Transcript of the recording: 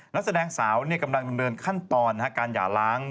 นักแสดงสาวเนี่ยกำลังเดินขั้นตอนการหย่าร้าง